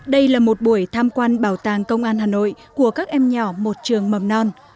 đây là một buổi tham quan bảo tàng công an hà nội của các em nhỏ một trường mầm non